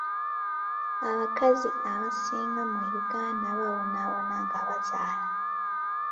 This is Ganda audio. Abakazi abasinga mu Uganda babonaabona nga bazaala.